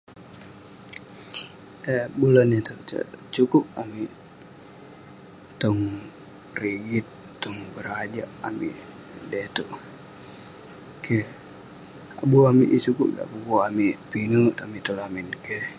Eh bulan ituek tek ineh sukup ayuk amik tong rigit tong berajak amik deh ituek keh abu amik yeng sukup dak pukuk amik pinek lak tong lamin keh